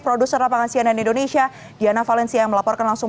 produser lapangan sianen indonesia diana valencia yang melaporkan langsung ke anda